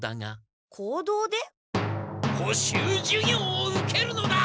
補習授業を受けるのだ！